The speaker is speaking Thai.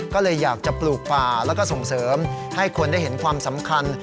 ก็เลยอยากจะปลูกป่าแล้วก็ส่งเสริมให้คนได้เห็นความสำคัญ